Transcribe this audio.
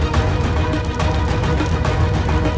terima kasih ya allah